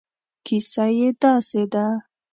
کیسه یې داسې ده.